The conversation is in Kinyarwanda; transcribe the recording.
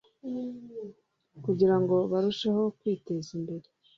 kugira ngo barusheho kwiteza imbere